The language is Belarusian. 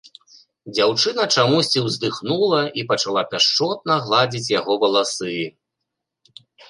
Дзяўчына чамусьці ўздыхнула і пачала пяшчотна гладзіць яго валасы.